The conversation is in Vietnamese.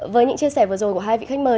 với những chia sẻ vừa rồi của hai vị khách mời